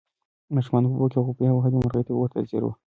ماشومانو په اوبو کې غوپې وهلې او مرغۍ ورته ځیر وه.